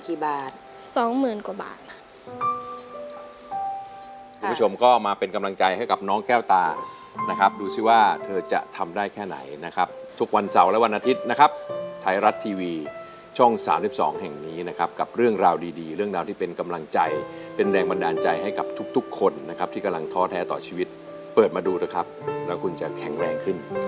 คุณผู้ชมก็มาเป็นกำลังใจให้กับน้องแก้วตานะครับดูสิว่าเธอจะทำได้แค่ไหนนะครับทุกวันเสาร์และวันอาทิตย์นะครับไทยรัฐทีวีช่อง๓๒แห่งนี้นะครับกับเรื่องราวดีดีเรื่องราวที่เป็นกำลังใจเป็นแรงบันดาลใจให้กับทุกทุกคนนะครับที่กำลังท้อแท้ต่อชีวิตเปิดมาดูเถอะครับแล้วคุณจะแข็งแรงขึ้น